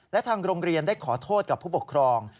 และทางโรงเรียนได้ขอโทษกับผู้ปกครอง